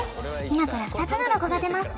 今から２つのロゴが出ます